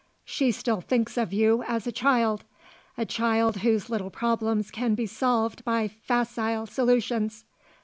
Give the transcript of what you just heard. She still thinks of you as a child a child whose little problems can be solved by facile solutions.